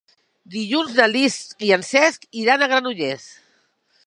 Dilluns na Lis i en Cesc iran a Granollers.